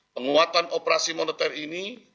penguatan operasi moneter ini